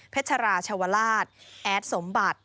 ชราชวราชแอดสมบัติ